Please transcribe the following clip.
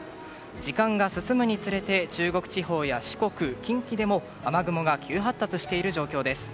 時間が進むにつれて中国地方や四国、近畿でも雨雲が急発達している状況です。